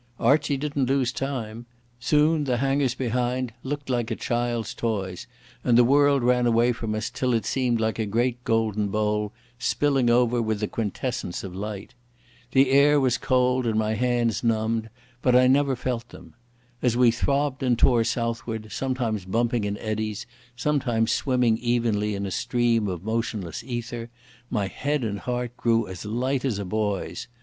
Archie didn't lose time. Soon the hangars behind looked like a child's toys, and the world ran away from us till it seemed like a great golden bowl spilling over with the quintessence of light. The air was cold and my hands numbed, but I never felt them. As we throbbed and tore southward, sometimes bumping in eddies, sometimes swimming evenly in a stream of motionless ether, my head and heart grew as light as a boy's.